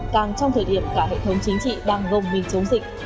càng trong thời điểm cả hệ thống chính trị đang gồng mình chống dịch